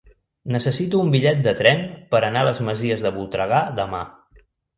Necessito un bitllet de tren per anar a les Masies de Voltregà demà.